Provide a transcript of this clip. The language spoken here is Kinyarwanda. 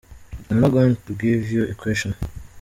I am not going to give you a question.